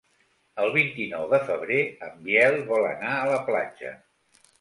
El vint-i-nou de febrer en Biel vol anar a la platja.